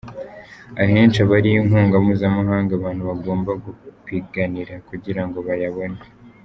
Ahenshi aba ari inkunga mpuzamahanga abantu bagomba gupiganira kugira ngo bayabone.